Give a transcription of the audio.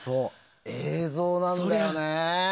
映像なんだよね。